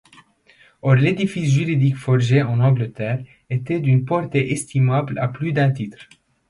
Or l'édifice juridique forgé en Angleterre était d'une portée estimable à plus d'un titre.